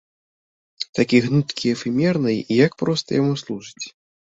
Такі гнуткі і эфемерны, і як проста яму служыць.